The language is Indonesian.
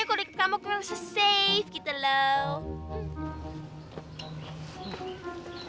kalo deket kamu kok bisa save gitu loh